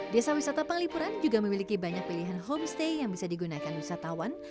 desa wisata palipuran juga memiliki banyak pilihan homestay yang bisa digunakan wisatawan